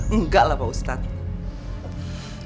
enggak lah pak ustadz